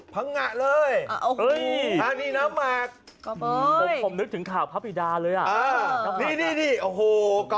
พังงะเลยหรอ